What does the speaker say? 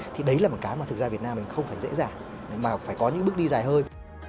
thì đấy là một cái mà thực ra việt nam mình không phải dễ dàng mà phải có những bước đi dài hơi